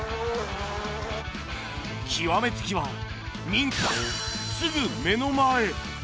極め付きは、民家のすぐ目の前！